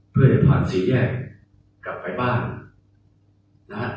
เพื่อให้ผ่านสีแยกกลับไปบ้าน